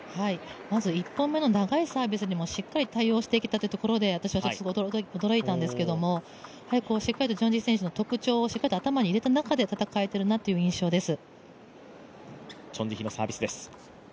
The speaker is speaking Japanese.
まず１本目の長いサービスにもしっかり対応してきたことで私は驚いたんですけれども、しっかりとチョン・ジヒ選手の特徴を頭に入れている中で戦えてるなという印象です。